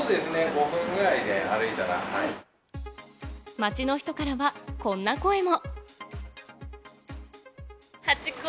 街の人からはこんな声も。